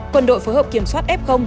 quân đội phối hợp kiểm soát f